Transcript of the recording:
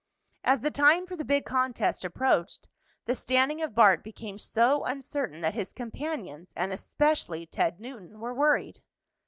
As the time for the big contest approached, the standing of Bart became so uncertain that his companions, and especially Ted Newton, were worried.